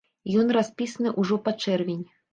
І ён распісаны ўжо па чэрвень.